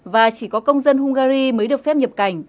và chỉ có công dân hungary mới được phép nhập cảnh